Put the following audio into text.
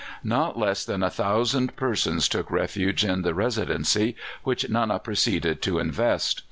Not less than 1,000 persons took refuge in the Residency, which Nana proceeded to invest.